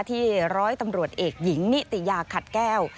ร้อยตำรวจเอกหญิงนิติยาขัดแก้ว